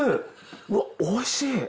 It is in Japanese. うわっ美味しい！